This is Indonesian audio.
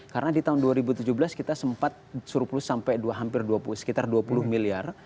karena di tahun dua ribu tujuh belas kita sempat surplus sampai hampir dua puluh sekitar dua puluh miliar